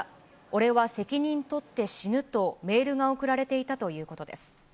俺は責任取って死ぬとメールが送られていたということです。